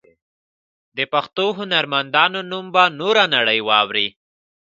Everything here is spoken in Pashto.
د پښتو هنرمندانو نوم به نوره نړۍ واوري.